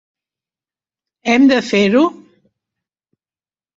Hem de fer-ho?